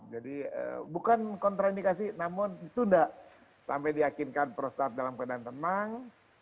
jadi bukan kontraindikasi namun itu enggak sampai diakinkan prostat dalam keadaan tenang